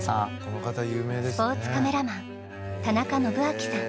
スポーツカメラマン田中宣明さん。